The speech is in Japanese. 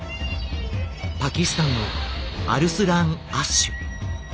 パキスタンのアルスラーン・アッシュ。